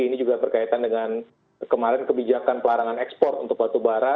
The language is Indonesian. ini juga berkaitan dengan kemarin kebijakan pelarangan ekspor untuk batubara